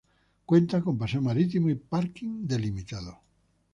Cuenta con paseo marítimo y parking delimitado.